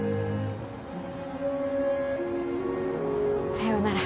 さようなら。